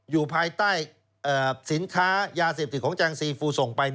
อยู่ภายใต้สินค้ายาเสพติดของแจงซีฟูส่งไป